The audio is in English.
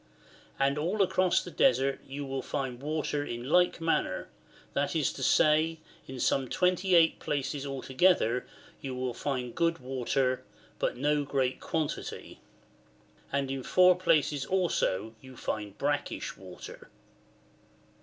And all across the Desert you will find water in like manner, that is to say, in some 28 places altogether you will find good water, Chap. XXXIX. THE GREAT DESERT 1 97 but in no great quantity ; and in four places also you find brackish water.